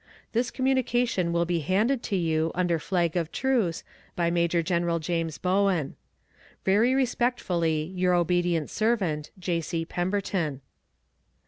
This communication will be handed to you, under flag of truce, by Major General James Bowen. Very respectfully, your obedient servant, J. C. PEMBERTON.